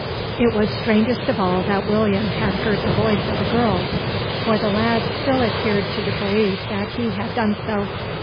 It was strangest of all that William had heard the voice of a girl: for the lad still adhered to the belief that he had done so.